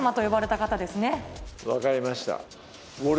分かりました。